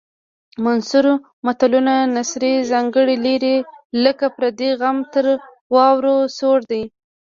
منثور متلونه نثري ځانګړنې لري لکه پردی غم تر واورو سوړ دی